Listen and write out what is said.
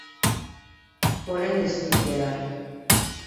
Orain ez dut behar.